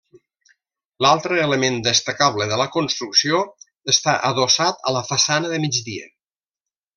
L'altre element destacable de la construcció està adossat a la façana de migdia.